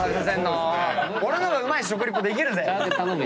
俺の方がうまい食リポできるぜ。